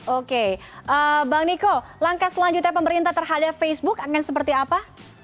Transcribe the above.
oke bang niko langkah selanjutnya pemerintah terhadap facebook akan seperti apa